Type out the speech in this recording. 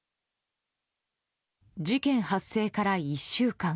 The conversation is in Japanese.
事件発生から１週間。